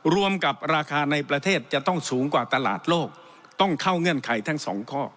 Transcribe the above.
รวมกับราคาในประเทศจะต้องสูงกว่าตลาดโลกต้องเข้าเงื่อนไขทั้งสองข้อ